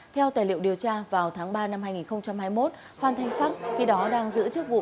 theo tài liệu điều tra vào tháng ba năm hai nghìn hai mươi một phan thanh sắc khi đó đang giữ chức vụ